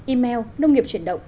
email nông nghiệpchuyểnđộng